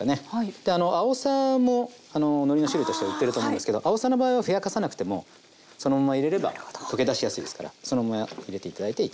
であのあおさもあののりの種類として売ってると思うんですけどあおさの場合はふやかさなくてもそのまま入れれば溶け出しやすいですからそのまま入れて頂いていいと思います。